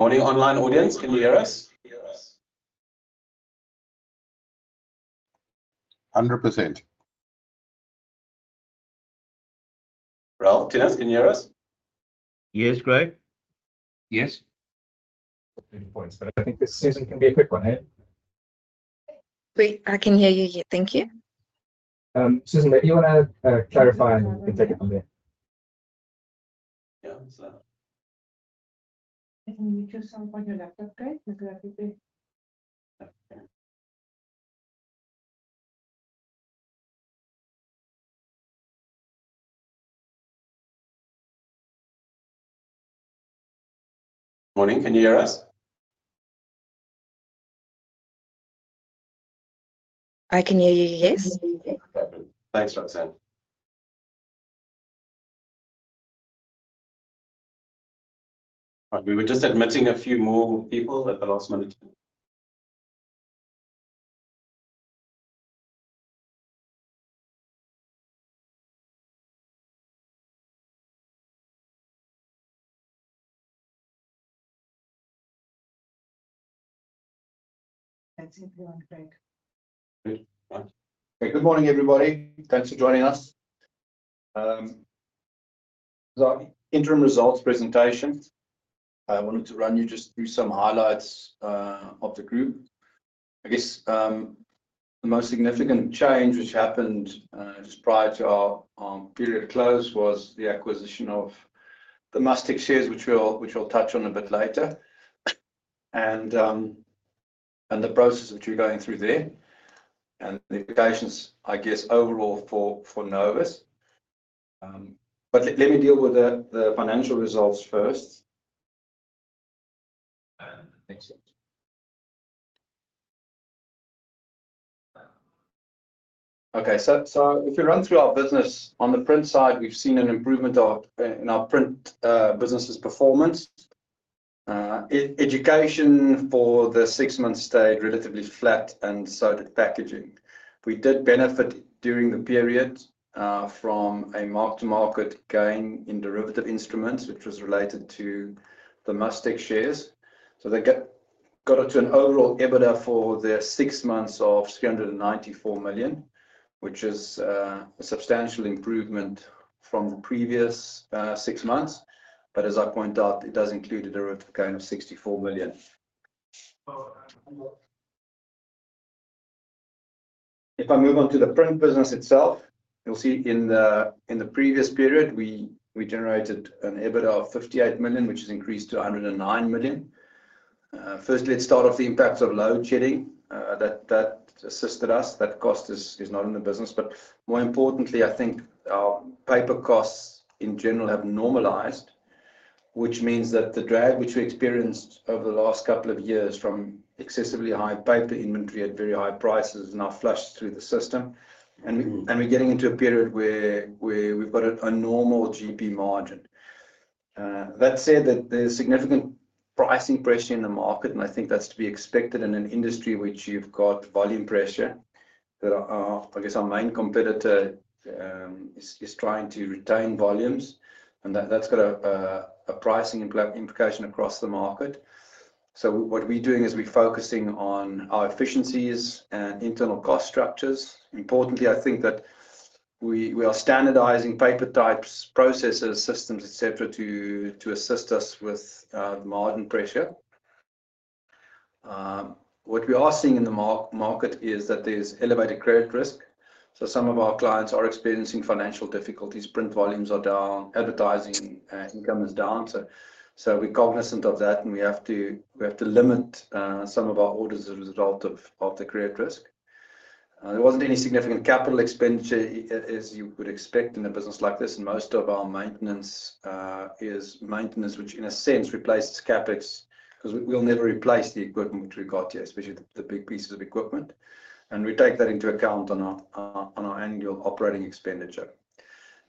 Any online audience? Can you hear us? 100%. Ralph, Tinus, can you hear us? Yes, Craig. Yes. I think this season can be a quick one. Wait, I can hear you yet. Thank you. Susan, maybe you want to clarify and take it from there. Yeah, so. Can you choose someone for your laptop, Craig? This is a good day. Morning, can you hear us? I can hear you, yes. Thanks, Roxanne. We were just admitting a few more people at the last minute. That's everyone, Craig. Good morning, everybody. Thanks for joining us. The interim results presentation, I wanted to run you just through some highlights of the group. I guess the most significant change which happened just prior to our period close was the acquisition of Domestic Shares, which we'll touch on a bit later, and the process which we're going through there, and the implications, I guess, overall for Novus. But let me deal with the financial results first. Okay, so if we run through our business, on the print side, we've seen an improvement in our print business's performance. Education for the six-month stayed relatively flat and so did packaging. We did benefit during the period from a mark-to-market gain in derivative instruments, which was related to Domestic Shares. They got it to an overall EBITDA for their six months of 394 million, which is a substantial improvement from the previous six months. But as I point out, it does include a derivative gain of 64 million. If I move on to the print business itself, you'll see in the previous period, we generated an EBITDA of 58 million, which has increased to 109 million. First, let's start off the impacts of load shedding. That assisted us. That cost is not in the business. But more importantly, I think our paper costs in general have normalized, which means that the drag which we experienced over the last couple of years from excessively high paper inventory at very high prices is now flushed through the system. And we're getting into a period where we've got a normal GP margin. That said, there's significant pricing pressure in the market, and I think that's to be expected in an industry which you've got volume pressure. I guess our main competitor is trying to retain volumes, and that's got a pricing implication across the market. So what we're doing is we're focusing on our efficiencies and internal cost structures. Importantly, I think that we are standardizing paper types, processes, systems, etc., to assist us with margin pressure. What we are seeing in the market is that there's elevated credit risk. So some of our clients are experiencing financial difficulties. Print volumes are down. Advertising income is down. So we're cognizant of that, and we have to limit some of our orders as a result of the credit risk. There wasn't any significant capital expenditure, as you would expect in a business like this. Most of our maintenance is maintenance, which in a sense replaces CapEx because we'll never replace the equipment which we've got here, especially the big pieces of equipment. We take that into account on our annual operating expenditure.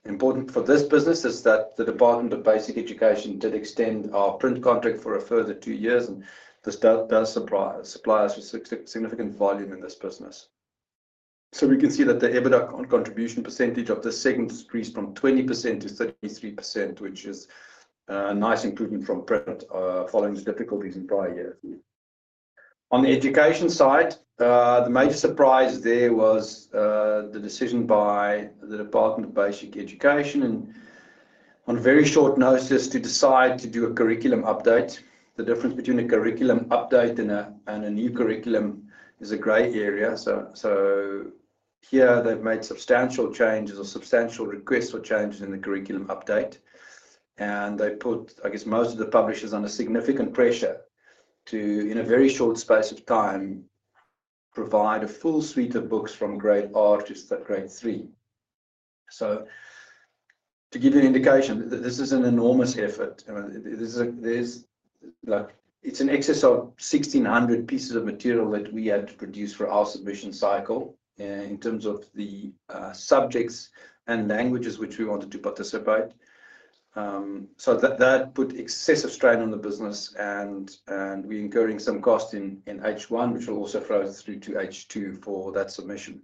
Important for this business is that the Department of Basic Education did extend our print contract for a further two years, and this does supply us with significant volume in this business. We can see that the EBITDA contribution percentage of the second decreased from 20%-33%, which is a nice improvement from print following the difficulties in prior years. On the education side, the major surprise there was the decision by the Department of Basic Education on very short notice to decide to do a curriculum update. The difference between a curriculum update and a new curriculum is a gray area. So here, they've made substantial changes or substantial requests for changes in the curriculum update. And they put, I guess, most of the publishers under significant pressure to, in a very short space of time, provide a full suite of books from Grade R to grade three. So to give you an indication, this is an enormous effort. It's an excess of 1,600 pieces of material that we had to produce for our submission cycle in terms of the subjects and languages which we wanted to participate. So that put excessive strain on the business, and we're incurring some cost in H1, which will also flow through to H2 for that submission.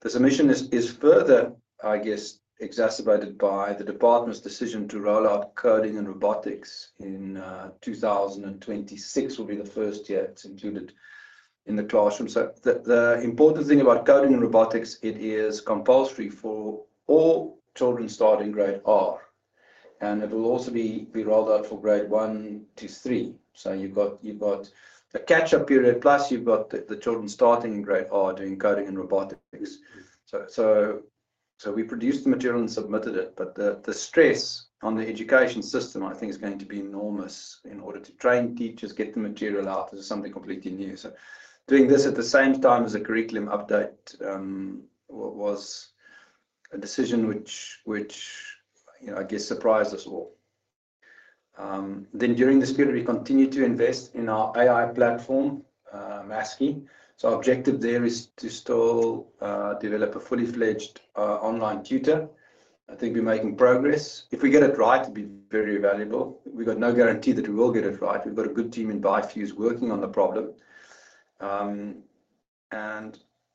The submission is further, I guess, exacerbated by the department's decision to roll out coding and robotics in 2026. It will be the first year it's included in the classroom. So the important thing about coding and robotics, it is compulsory for all children starting Grade R, and it will also be rolled out for grade one to three. So you've got a catch-up period, plus you've got the children starting in Grade R doing coding and robotics. So we produced the material and submitted it, but the stress on the education system, I think, is going to be enormous in order to train teachers, get the material out. This is something completely new. So doing this at the same time as a curriculum update was a decision which, I guess, surprised us all. Then during this period, we continue to invest in our AI platform, Masky. So our objective there is to still develop a fully-fledged online tutor. I think we're making progress. If we get it right, it'd be very valuable. We've got no guarantee that we will get it right. We've got a good team in ByteFuse working on the problem, and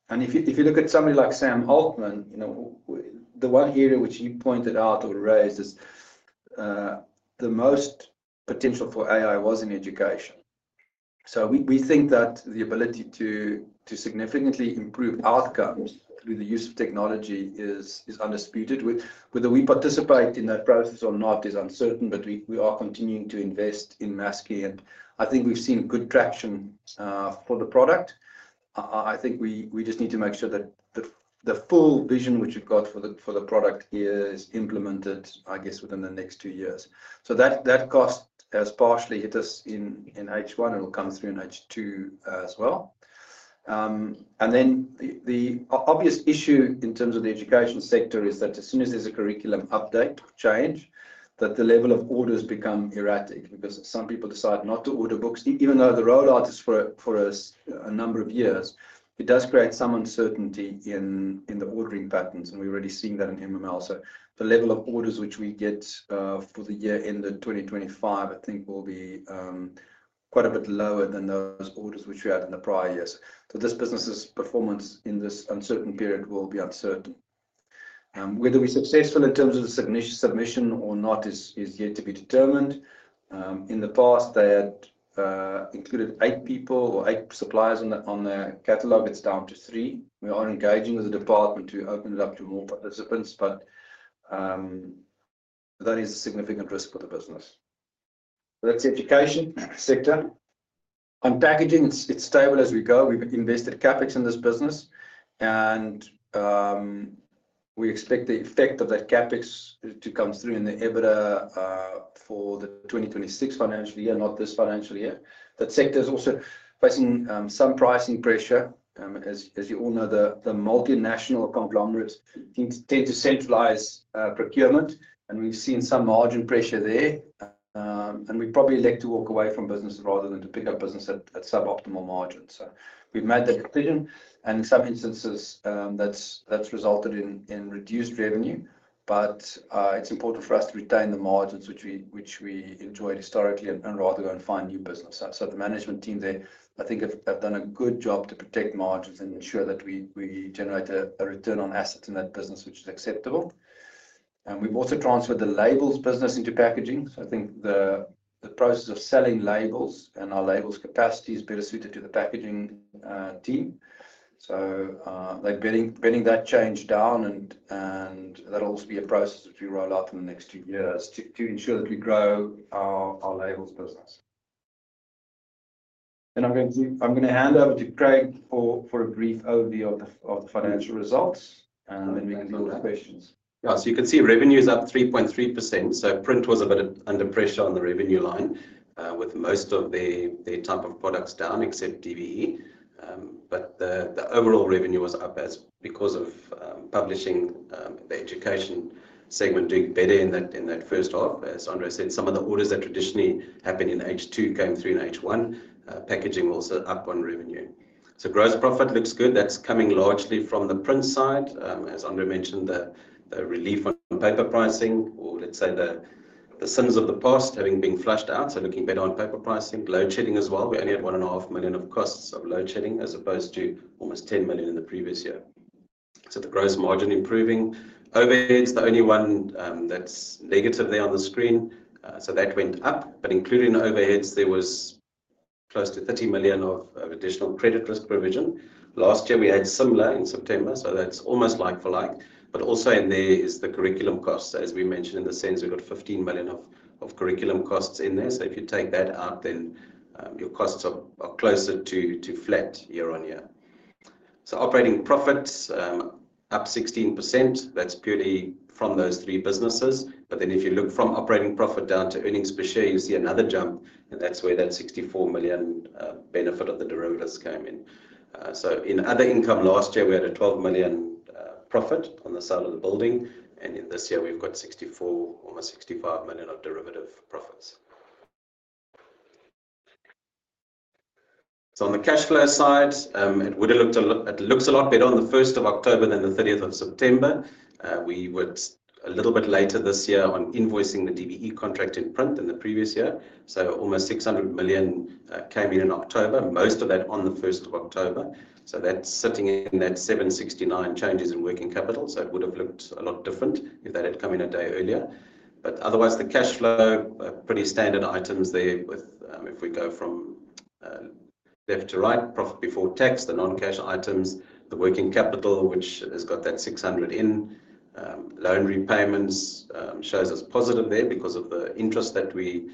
if you look at somebody like Sam Altman, the one area which you pointed out or raised is the most potential for AI was in education, so we think that the ability to significantly improve outcomes through the use of technology is undisputed. Whether we participate in that process or not is uncertain, but we are continuing to invest in Masky, and I think we've seen good traction for the product. I think we just need to make sure that the full vision which we've got for the product is implemented, I guess, within the next two years, so that cost has partially hit us in H1. It'll come through in H2 as well. And then the obvious issue in terms of the education sector is that as soon as there's a curriculum update change, that the level of orders become erratic because some people decide not to order books. Even though the rollout is for a number of years, it does create some uncertainty in the ordering patterns, and we're already seeing that in MML. So the level of orders which we get for the year end of 2025, I think, will be quite a bit lower than those orders which we had in the prior years. So this business's performance in this uncertain period will be uncertain. Whether we're successful in terms of the submission or not is yet to be determined. In the past, they had included eight people or eight suppliers on their catalog. It's down to three. We are engaging with the department to open it up to more participants, but that is a significant risk for the business. That's the education sector. On packaging, it's stable as we go. We've invested CapEx in this business, and we expect the effect of that CapEx to come through in the EBITDA for the 2026 financial year, not this financial year. That sector is also facing some pricing pressure. As you all know, the multinational conglomerates tend to centralize procurement, and we've seen some margin pressure there, and we probably elect to walk away from business rather than to pick up business at suboptimal margins, so we've made that decision, and in some instances, that's resulted in reduced revenue, but it's important for us to retain the margins which we enjoyed historically and rather go and find new business. So the management team there, I think, have done a good job to protect margins and ensure that we generate a return on assets in that business, which is acceptable. And we've also transferred the labels business into packaging. So I think the process of selling labels and our labels capacity is better suited to the packaging team. So they're bedding that change down, and that'll also be a process which we roll out in the next two years to ensure that we grow our labels business. And I'm going to hand over to Craig for a brief overview of the financial results, and then we can do the questions. Yeah. So you can see revenue is up 3.3%. So print was a bit under pressure on the revenue line with most of the type of products down except DBE. But the overall revenue was up because of publishing the education segment doing better in that first half. As André said, some of the orders that traditionally happened in H2 came through in H1. Packaging also up on revenue. Gross profit looks good. That's coming largely from the print side. As André mentioned, the relief on paper pricing, or let's say the sins of the past, having been flushed out. Looking better on paper pricing. Load shedding as well. We only had 1.5 million of costs of load shedding as opposed to almost 10 million in the previous year. The gross margin improving. Overheads, the only one that's negative there on the screen. That went up. Including overheads, there was close to 30 million of additional credit risk provision. Last year, we had similar in September. That's almost like for like. But also in there is the curriculum costs. As we mentioned, in the sense, we've got 15 million of curriculum costs in there. So if you take that out, then your costs are closer to flat year on year. So operating profits up 16%. That's purely from those three businesses. But then if you look from operating profit down to earnings per share, you see another jump. And that's where that 64 million benefit of the derivatives came in. So in other income last year, we had a 12 million profit on the sale of the building. And in this year, we've got 64, almost 65 million of derivative profits. So on the cash flow side, it looks a lot better on the 1st of October than the 30th of September. We were a little bit later this year on invoicing the DBE contract in print than the previous year. Almost 600 million came in in October, most of that on the 1st of October. So that's sitting in that 769 million changes in working capital. So it would have looked a lot different if that had come in a day earlier. But otherwise, the cash flow, pretty standard items there with if we go from left to right, profit before tax, the non-cash items, the working capital, which has got that 600 million in, loan repayments shows us positive there because of the interest that we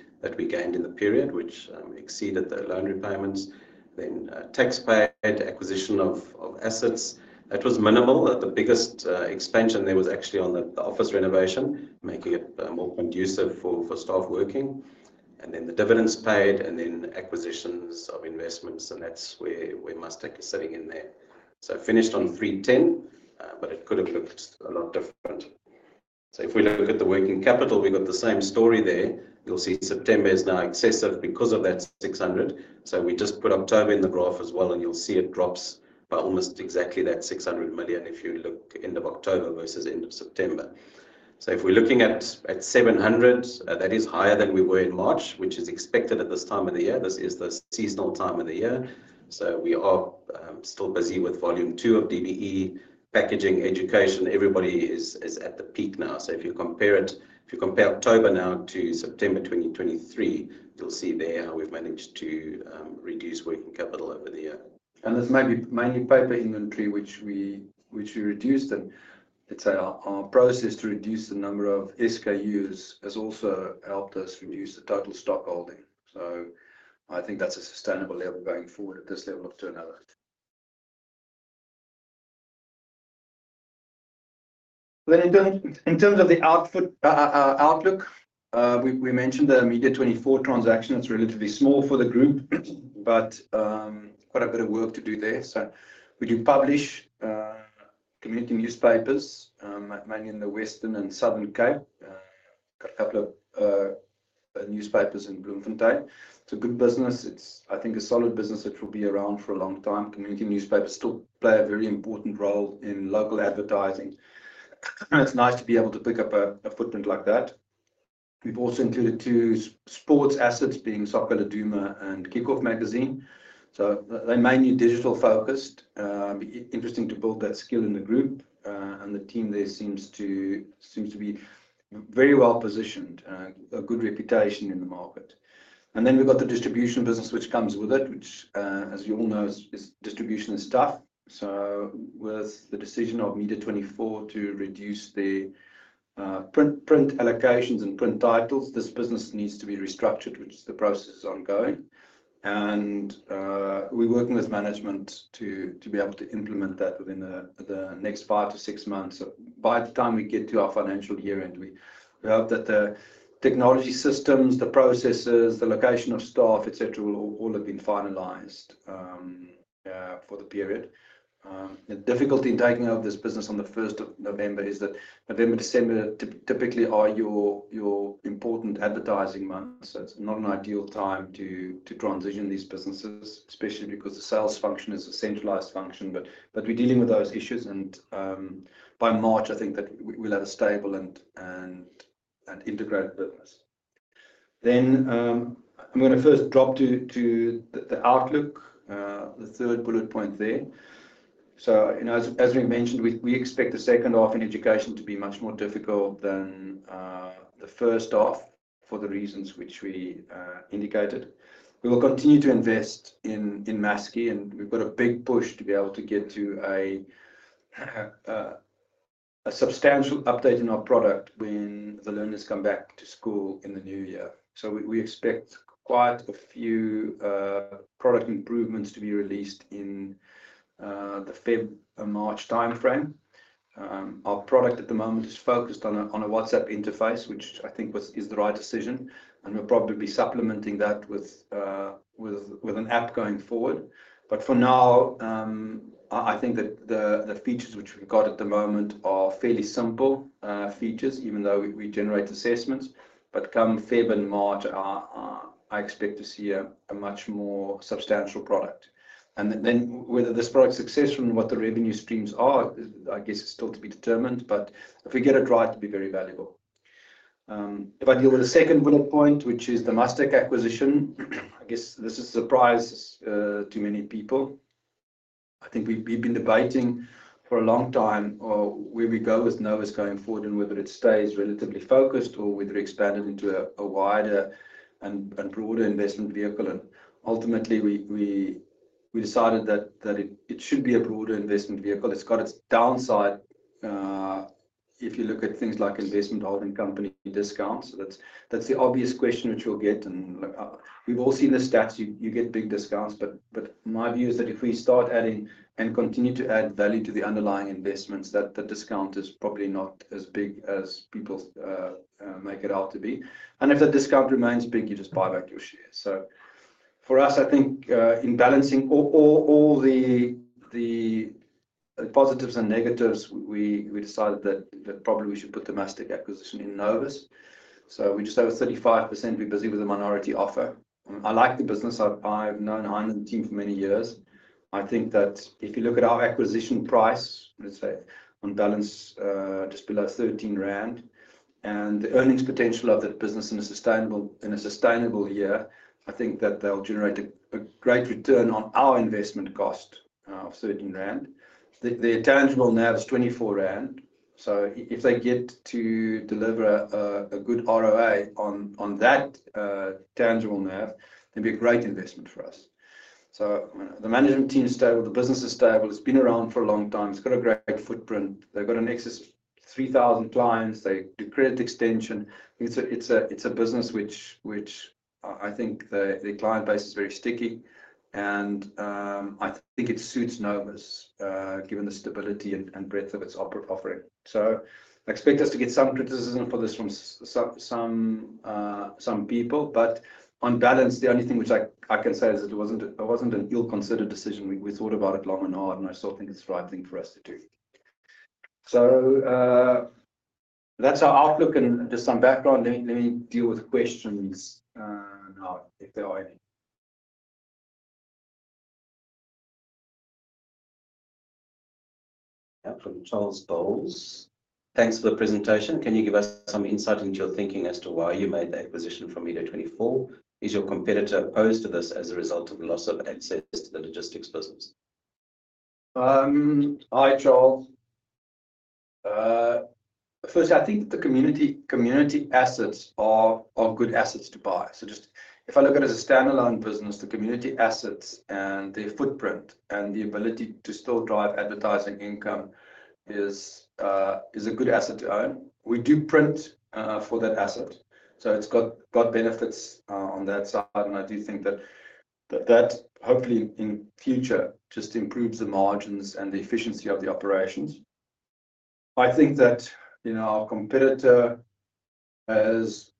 gained in the period, which exceeded the loan repayments. Then tax paid, acquisition of assets. That was minimal. The biggest expansion there was actually on the office renovation, making it more conducive for staff working. And then the dividends paid and then acquisitions of investments. And that's where we must take a setting in there. on 310 million, but it could have looked a lot different. So if we look at the working capital, we've got the same story there. You'll see September is now excessive because of that 600 million. So we just put October in the graph as well, and you'll see it drops by almost exactly that 600 million if you look end of October versus end of September. So if we're looking at 700 million, that is higher than we were in March, which is expected at this time of the year. This is the seasonal time of the year. So we are still busy with volume two of DBE packaging education. Everybody is at the peak now. So if you compare it, if you compare October now to September 2023, you'll see there how we've managed to reduce working capital over the year. This may be mainly paper inventory, which we reduced. Let's say our process to reduce the number of SKUs has also helped us reduce the total stock holding. I think that's a sustainable level going forward at this level of turnover. In terms of the outlook. We mentioned the Media24 transaction. It's relatively small for the group, but quite a bit of work to do there. We do publish community newspapers, mainly in the Western and Southern Cape. Got a couple of newspapers in Bloemfontein. It's a good business. It's, I think, a solid business that will be around for a long time. Community newspapers still play a very important role in local advertising. It's nice to be able to pick up a footprint like that. We've also included two sports assets being Soccer Laduma and Kick Off magazine. They mainly digital focused. Interesting to build that skill in the group. And the team there seems to be very well positioned, a good reputation in the market. And then we've got the distribution business, which comes with it, which, as you all know, distribution is tough. So with the decision of Media24 to reduce the print allocations and print titles, this business needs to be restructured, which the process is ongoing. And we're working with management to be able to implement that within the next five to six months. By the time we get to our financial year end, we hope that the technology systems, the processes, the location of staff, etc., will all have been finalized for the period. The difficulty in taking over this business on the 1st of November is that November, December typically are your important advertising months. So it's not an ideal time to transition these businesses, especially because the sales function is a centralized function. But we're dealing with those issues. And by March, I think that we'll have a stable and integrated business. Then I'm going to first drop to the outlook, the third bullet point there. So as we mentioned, we expect the second half in education to be much more difficult than the first half for the reasons which we indicated. We will continue to invest in Maskew, and we've got a big push to be able to get to a substantial update in our product when the learners come back to school in the new year. So we expect quite a few product improvements to be released in the February-March timeframe. Our product at the moment is focused on a WhatsApp interface, which I think is the right decision. And we'll probably be supplementing that with an app going forward. But for now, I think that the features which we've got at the moment are fairly simple features, even though we generate assessments. But come February and March, I expect to see a much more substantial product. And then whether this product's successful and what the revenue streams are, I guess, is still to be determined. But if we get it right, it'd be very valuable. If I deal with the second bullet point, which is the Mustek acquisition, I guess this is a surprise to many people. I think we've been debating for a long time where we go with Novus going forward and whether it stays relatively focused or whether we expand it into a wider and broader investment vehicle. And ultimately, we decided that it should be a broader investment vehicle. It's got its downside if you look at things like investment holding company discounts. That's the obvious question which you'll get, and we've all seen the stats. You get big discounts, but my view is that if we start adding and continue to add value to the underlying investments, that discount is probably not as big as people make it out to be, and if the discount remains big, you just buy back your share, so for us, I think in balancing all the positives and negatives, we decided that probably we should put domestic acquisition in Novus, so we just have a 35%. We're busy with a minority offer. I like the business. I've known Hein and the team for many years. I think that if you look at our acquisition price, let's say on balance, just below 13 rand. And the earnings potential of that business in a sustainable year, I think that they'll generate a great return on our investment cost of 13 rand. Their tangible NAV is 24 rand. So if they get to deliver a good ROA on that tangible NAV, it'd be a great investment for us. So the management team's stable. The business is stable. It's been around for a long time. It's got a great footprint. They've got an excess of 3,000 clients. They do credit extension. It's a business which I think their client base is very sticky. And I think it suits Novus given the stability and breadth of its offering. So expect us to get some criticism for this from some people. But on balance, the only thing which I can say is it wasn't an ill-considered decision. We thought about it long and hard, and I still think it's the right thing for us to do. So that's our outlook and just some background. Let me deal with questions now, if there are any. From Charles Bowles. Thanks for the presentation. Can you give us some insight into your thinking as to why you made the acquisition for Media24? Is your competitor opposed to this as a result of the loss of access to the logistics business? Hi, Charles. First, I think that the community assets are good assets to buy. So just if I look at it as a standalone business, the community assets and their footprint and the ability to still drive advertising income is a good asset to own. We do print for that asset. So it's got benefits on that side. I do think that that hopefully in future just improves the margins and the efficiency of the operations. I think that our competitor has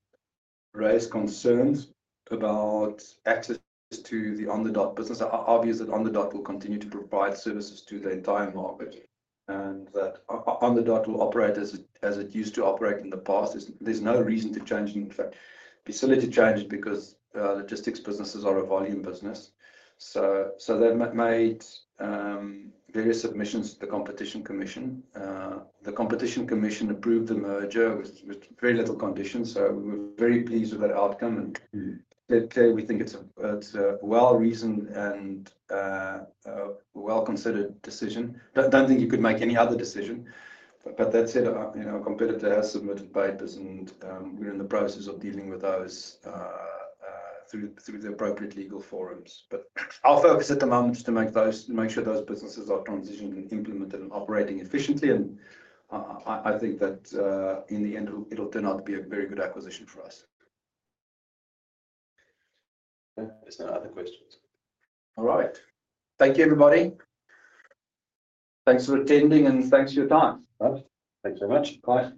raised concerns about access to the On the Dot business. Obviously, On the Dot will continue to provide services to the entire market and that On the Dot will operate as it used to operate in the past. There's no reason to change and facility change because logistics businesses are a volume business. They've made various submissions to the Competition Commission. The Competition Commission approved the merger with very little conditions. We were very pleased with that outcome. Clearly, we think it's a well-reasoned and well-considered decision. I don't think you could make any other decision. That said, our competitor has submitted papers, and we're in the process of dealing with those through the appropriate legal forums. But our focus at the moment is to make sure those businesses are transitioned and implemented and operating efficiently. And I think that in the end, it'll turn out to be a very good acquisition for us. There's no other questions. All right. Thank you, everybody. Thanks for attending, and thanks for your time. Thanks very much. Bye.